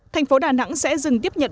thành phố đà nẵng sẽ dừng tiếp nhận